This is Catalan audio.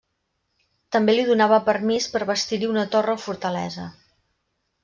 També li donava permís per bastir-hi una torre o fortalesa.